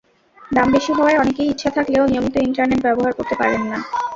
দাম বেশি হওয়ায় অনেকেই ইচ্ছা থাকলেও নিয়মিত ইন্টারনেট ব্যবহার করতে পারেন না।